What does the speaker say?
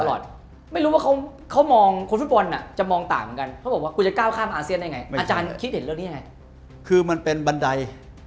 บ๊วยบรรยายไม่รู้ว่าเขามองคนฟุตบอลน่ะจะมองต่างเหมือนกันเขาบอกว่ากูจะก้าวข้ามอาเซียนได้ไงอาจารย์คิดเห็นเรื่องนี้อย่างไง